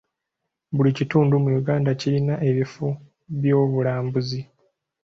Buli kitundu mu Uganda kirina ebifo ky'obulambuzi.